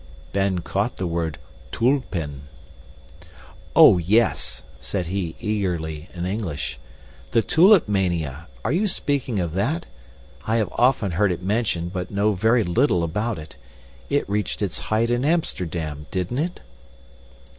Ben caught the word tulpen. "Oh, yes!" said he eagerly, in English, "the Tulip Mania are you speaking of that? I have often heard it mentioned but know very little about it. It reached its height in Amsterdam, didn't it?"